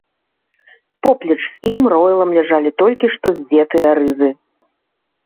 Поплеч з ім роілам ляжалі толькі што здзетыя рызы.